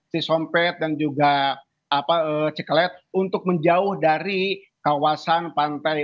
cisompet dan juga ceklet untuk menjauh dari kawasan pantai